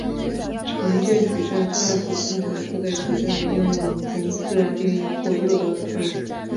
常见的矩阵范数通常是在矩阵的应用中自然定义或诱导的范数。